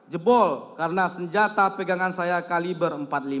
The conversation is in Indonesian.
jebol karena senjata pegangan saya kaliber empat puluh lima